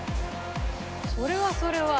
「それはそれは」